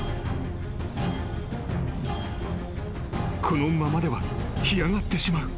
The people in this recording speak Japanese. ［このままでは干上がってしまう］